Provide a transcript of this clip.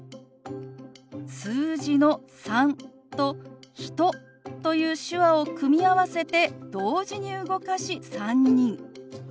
数字の「３」と「人」という手話を組み合わせて同時に動かし「３人」。